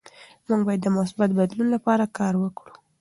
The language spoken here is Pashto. موږ باید د مثبت بدلون لپاره کار وکړو.